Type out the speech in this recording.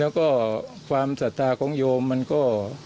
แล้วก็ความศรัทธาของโยมมันก็